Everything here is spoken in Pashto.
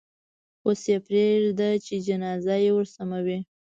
اوس یې پرېږده چې جنازه یې ورسموي.